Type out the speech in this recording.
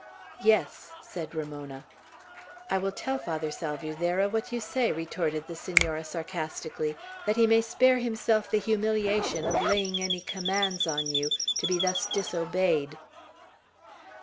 "Yes," said Ramona. "I will tell Father Salvierderra what you say," retorted the Senora, sarcastically, "that he may spare himself the humiliation of laying any commands on you, to be thus disobeyed."